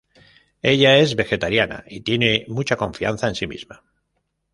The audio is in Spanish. Ella es vegetariana y tiene mucha confianza en sí misma.